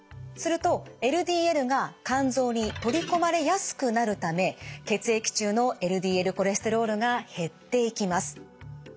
するとＬＤＬが肝臓に取り込まれやすくなるため血液中のＬＤＬコレステロールが減っていきます。